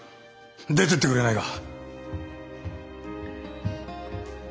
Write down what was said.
出てってくれないか。